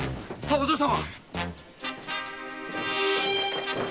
お嬢様！